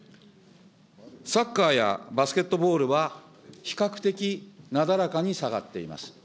サッカーやバスケットボールは、比較的なだらかに下がっています。